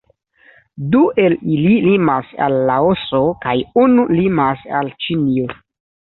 Du el ili limas al Laoso kaj unu limas al Ĉinio.